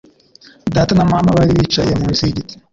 Data na mama bari bicaye munsi yigiti.